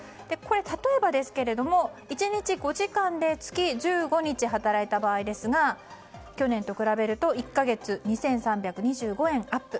例えばですけれども１日５時間で月１５日働いた場合ですが去年と比べると１か月２３２５円アップ。